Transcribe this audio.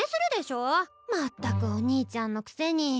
全くお兄ちゃんのくせに。